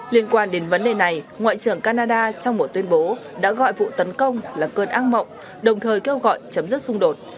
liên quan đến vấn đề này ngoại trưởng canada trong một tuyên bố đã gọi vụ tấn công là cơn ác mộng đồng thời kêu gọi chấm dứt xung đột